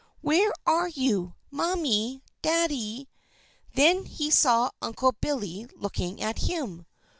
Where are you? Mammy! Daddy!" Then he saw Uncle Billy looking at him.